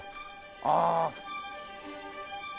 ああ。